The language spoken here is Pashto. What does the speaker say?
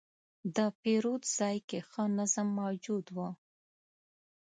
د پیرود ځای کې ښه نظم موجود و.